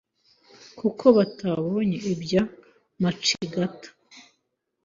kuko batabonye ibya Macigata. "